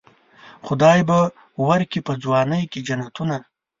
خدای به ورکي په ځوانۍ کې جنتونه.